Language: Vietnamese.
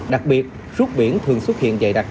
đặc biệt rút biển thường xuất hiện dày đặc